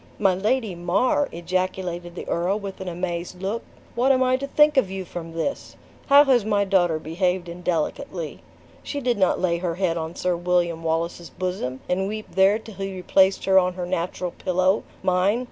"My Lady Mar!" ejaculated the earl, with an amazed look, "what am I to think of you from this? How has my daughter behaved indelicately? She did not lay her head on Sir William Wallace's bosom and weep there till he replaced her on her natural pillow, mine.